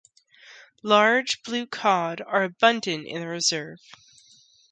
Large blue cod are abundant in the reserve.